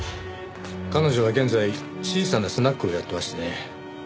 彼女は現在小さなスナックをやってましてね